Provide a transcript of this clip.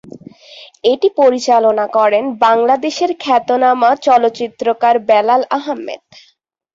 এটি পরিচালনা করেন বাংলাদেশের খ্যাতনামা চলচ্চিত্রকার বেলাল আহমেদ।